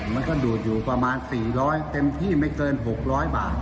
มันก็ดูดอยู่ประมาณสี่ร้อยเต็มที่ไม่เกินหกร้อยบาท